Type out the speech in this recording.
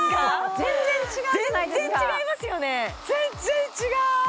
全然違う！